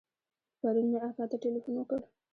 پرون مې اکا ته ټېلفون وکړ.